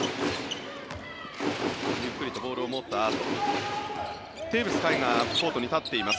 ゆっくりとボールを持ったあとテーブス海が立っています。